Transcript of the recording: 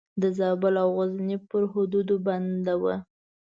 د زابل او غزني پر حدودو بنده وه.